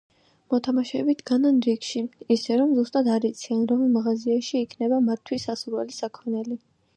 მოთამაშეები დგანან რიგში, ისე, რომ ზუსტად არ იციან, რომელ მაღაზიაში იქნება მათთვის სასურველი საქონელი.